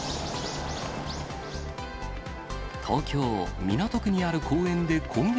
東京・港区にある公園で今月